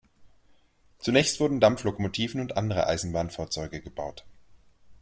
Zunächst wurden Dampflokomotiven und andere Eisenbahnfahrzeuge gebaut.